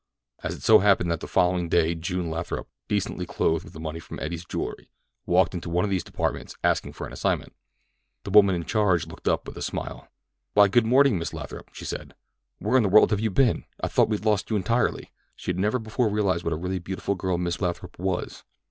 And it so happened that the following day June Lathrop, decently clothed with the money from Eddie's jewelry, walked into one of these departments, asking for an assignment. The woman in charge looked up with a smile. "Why, good morning, Miss Lathrop," she said. "Where in the world have you been? I thought we'd lost you entirely." She had never before realized what a really beautiful girl Miss Lathrop was.